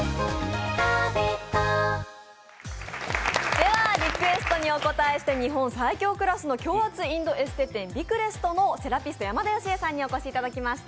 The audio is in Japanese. ではリクエストにお応えして、日本最強クラスの強圧インドエステ店、ビクレストのセラピスト、山田佳会さんにお越しいただきました。